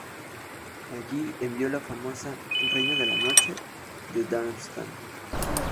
Allí envió la famosa „Reina de la Noche“ de Darmstadt.